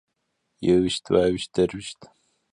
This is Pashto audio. يوويشت دوويشت درويشت